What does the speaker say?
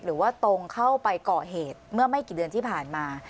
หรือว่าตรงเข้าไปก่อเหตุเมื่อไม่กี่เดือนที่ผ่านมา